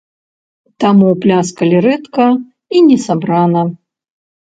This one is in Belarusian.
Таму пляскалі рэдка і несабрана.